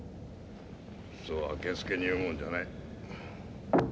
そうあけすけに言うもんじゃない。